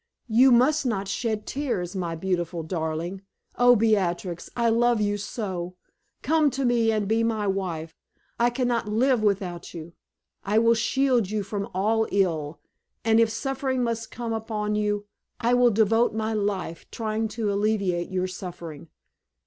You must not shed tears, my beautiful darling! Oh, Beatrix, I love you so! Come to me, and be my wife. I can not live without you! I will shield you from all ill, and if suffering must come upon you, I will devote my life trying to alleviate your suffering.